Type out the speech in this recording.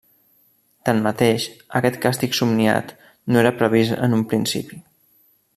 Tanmateix, aquest càsting somniat no era previst en un principi.